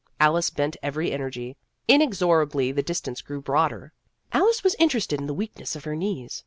Alice bent every energy. In exorably the distance grew broader. Alice was interested in the weakness of her knees.